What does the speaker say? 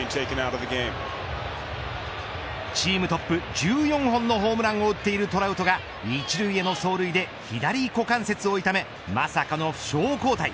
チームトップ１４本のホームランを打っているトラウトが１塁への走塁で左股関節を痛めまさかの負傷交代。